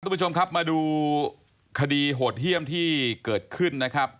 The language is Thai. คุณผู้ชมครับมาดูคดีโหดเยี่ยมที่เกิดขึ้นนะครับ